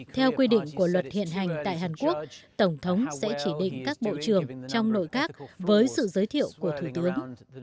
theo quy định của luật hiện hành tại hàn quốc tổng thống sẽ chỉ định các bộ trưởng trong nội các với sự giới thiệu của thủ tướng